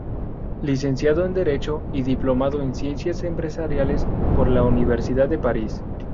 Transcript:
Licenciado en Derecho y Diplomado en Ciencias Empresariales por la Universidad de París.